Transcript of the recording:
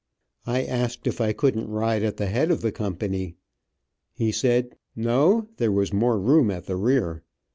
I asked if I couldn't ride at the head of the company. He said no, there was more room at the rear.